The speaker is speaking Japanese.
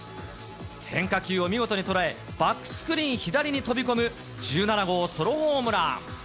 変化球を見事に捉え、バックスクリーン左に飛び込む、１７号ソロホームラン。